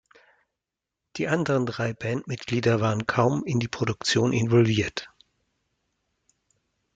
Die anderen drei Bandmitglieder waren kaum in die Produktion involviert.